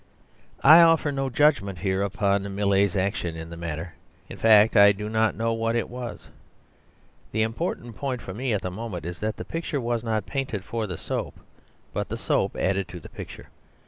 I offer no judgment here upon Millais's action in the matter; in fact, I do not know what it was. The important point for me at the moment is that the picture was not painted for the soap, but the soap added to the picture.